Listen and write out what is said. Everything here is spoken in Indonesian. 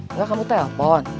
enggak kamu telepon